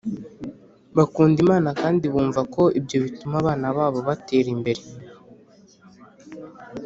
bakunda Imana kandi bumva ko ibyo bituma abana babo batera imbere